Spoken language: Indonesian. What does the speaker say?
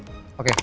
terima kasih pak